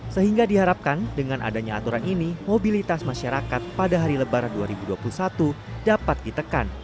sehingga diharapkan dengan adanya aturan ini mobilitas masyarakat pada hari lebaran dua ribu dua puluh satu dapat ditekan